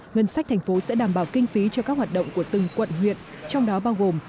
ngân sách thành phố sẽ đảm bảo kinh phí cho các hoạt động của từng quận huyện trong đó bao gồm